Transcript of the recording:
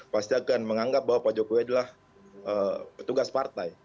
pasti akan menganggap bahwa pak jokowi adalah petugas partai